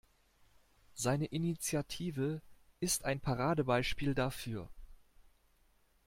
Seine Initiative ist ein Paradebeispiel dafür.